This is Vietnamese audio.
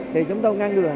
thì chúng ta ngang ngừa